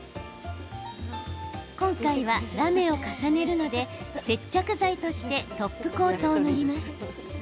今回はラメを重ねるので接着剤としてトップコートを塗ります。